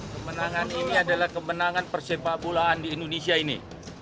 kemenangan ini adalah kemenangan persepak bolaan di indonesia ini